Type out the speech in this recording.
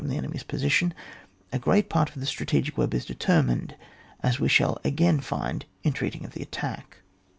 the enemy's position, a great part of the strategic web is determined, as we shall again find in treating of the attack.